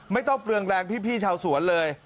ไม่ต้องเปลืองแรงพี่ชาวสวนเลย